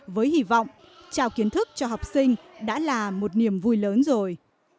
với hy vọng trao kiến thức cho học sinh đã là một niềm vui lớn rồi